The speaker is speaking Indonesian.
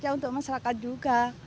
ya untuk masyarakat juga